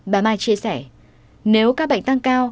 bà mai chia sẻ nếu các bệnh tăng cao